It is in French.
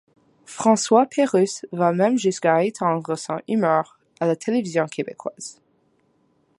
François Pérusse va même jusqu'à étendre son humour à la télévision québécoise.